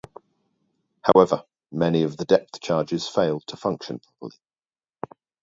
However, many of the depth charges failed to function properly.